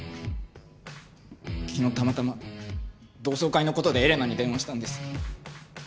昨日たまたま同窓会のことでエレナに電話したんです。